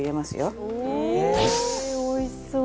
松本：おいしそう。